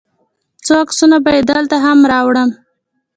څو عکسونه به یې دلته هم راوړم.